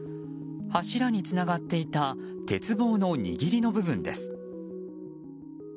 柱につながっていた鉄棒の握りの部分です。